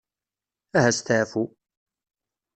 Aha steɛfu.